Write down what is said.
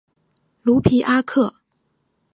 卢皮阿克。